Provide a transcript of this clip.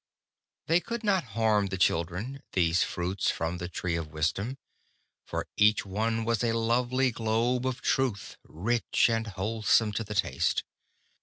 They could not harm the children, these fruits from the tree of wisdom, for each one was a lovely globe of truth, rich and wholesome to the taste.